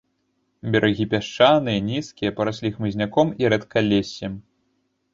Берагі пясчаныя, нізкія, параслі хмызняком і рэдкалессем.